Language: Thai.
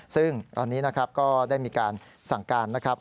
ซึ่งตอนนี้นะครับก็ได้มีการสั่งการนะครับ